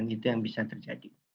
itu yang bisa terjadi